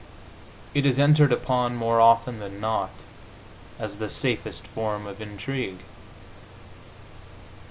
It is entered upon, more often than not, as the safest form of intrigue.